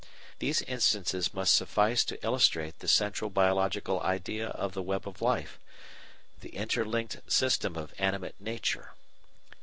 These instances must suffice to illustrate the central biological idea of the web of life, the interlinked System of Animate Nature.